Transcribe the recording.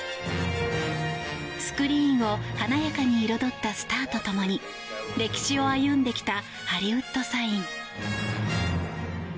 スクリーンを華やかに彩ったスターと共に歴史を歩んできたハリウッド・サイン。